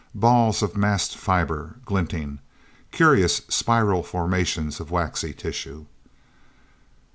Balls of massed fibre, glinting... Curious, spiral formations of waxy tissue...